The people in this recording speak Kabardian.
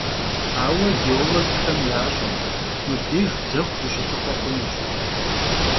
Aue gêologxem yaş'e: mıbdêjj dzexu vuşılhıxhue xhunuş.